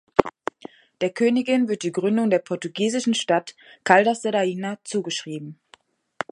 Der Königin wird die Gründung der portugiesischen Stadt Caldas da Rainha zugeschrieben.